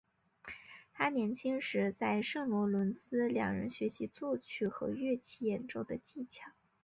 他年轻时在圣罗伦兹两人学习作曲和乐器演奏的技巧。